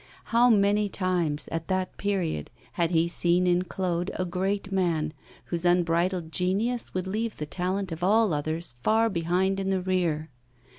How many times, at that period, had he seen in Claude a great man, whose unbridled genius would leave the talent of all others far behind in the rear!